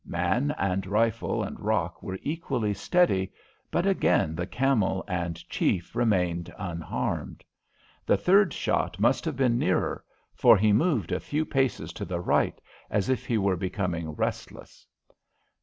Man and rifle and rock were equally steady, but again the camel and chief remained unharmed. The third shot must have been nearer, for he moved a few paces to the right, as if he were becoming restless.